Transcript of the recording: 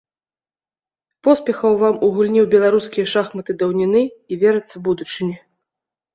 Поспехаў вам у гульні ў беларускія шахматы даўніны і, верыцца, будучыні!